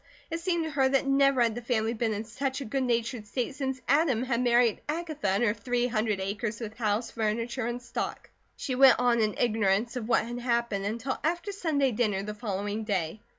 It seemed to her that never had the family been in such a good natured state since Adam had married Agatha and her three hundred acres with house, furniture, and stock. She went on in ignorance of what had happened until after Sunday dinner the following day.